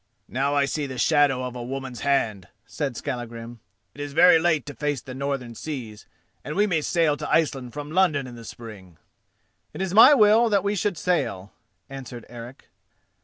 "Now, I see the shadow of a woman's hand," said Skallagrim. "It is very late to face the northern seas, and we may sail to Iceland from London in the spring." "It is my will that we should sail," answered Eric.